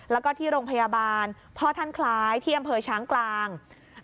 แล้วก็ที่โรงพยาบาลพ่อท่านคล้ายที่อำเภอช้างกลาง